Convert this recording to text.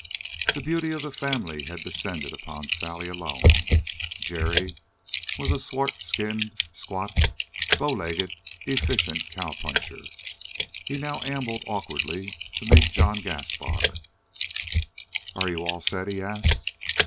The beauty of the family had descended upon Sally alone. Jerry was a swart skinned, squat, bow legged, efficient cowpuncher. He now ambled awkwardly to meet John Gaspar. "Are you all set?" he asked.